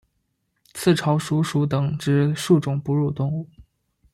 刺巢鼠属等之数种哺乳动物。